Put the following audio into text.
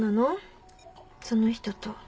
その人と。